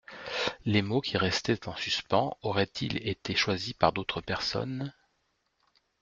Les mots qui restaient en suspens auraient-ils été choisis par d’autres personnes ?